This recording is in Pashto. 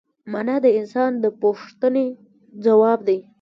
مانا د انسان د پوښتنې ځواب دی.